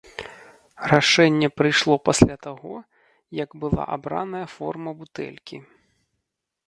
Рашэнне прыйшло пасля таго, як была абраная форма бутэлькі.